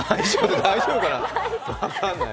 大丈夫かな、分からない。